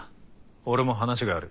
俺も話がある。